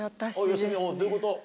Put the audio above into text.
吉住どういうこと？